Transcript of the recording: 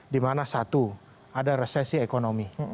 dimana satu ada resesi ekonomi